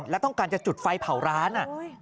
แล้วต้องการจะจุดไฟเผาร้าน